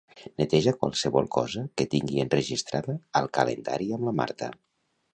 Neteja qualsevol cosa que tingui enregistrada al calendari amb la Marta.